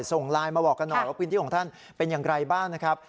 ส่งไลน์บริการบอกพื้นที่ของท่านเป็นยังไงนะครับ